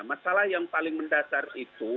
masalah yang paling mendasar itu